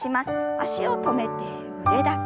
脚を止めて腕だけ。